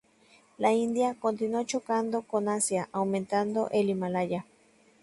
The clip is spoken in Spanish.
La India continuó chocando con Asia, aumentando el Himalaya.